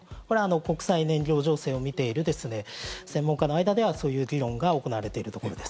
国際燃料情勢を見ている専門家の間ではそういう議論が行われているところです。